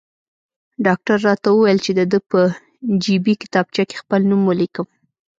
ډاکټر راته وویل چې د ده په جیبي کتابچه کې خپل نوم ولیکم.